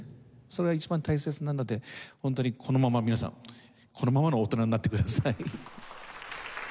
それは一番大切なのでホントにこのまま皆さんこのままの大人になってください。